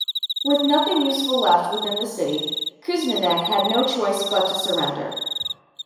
With nothing useful left within the city, Kusmanek had no choice but to surrender.